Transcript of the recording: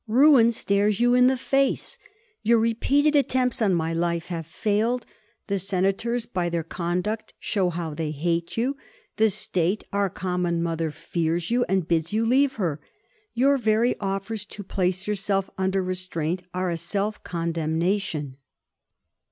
Ruin stares you in the face. Your repeated attempts on my life have failed; the senators, by their conduct, show how they hate you. The State, our common mother, fears you and bids you leave her. Your very offers to place yourself under restraint are a self condemnation.